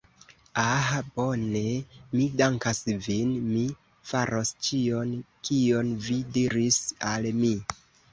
Ah? Bone. Mi dankas vin. Mi faros ĉion kion vi diris al mi.